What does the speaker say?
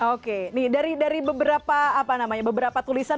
oke nih dari beberapa apa namanya beberapa tulisan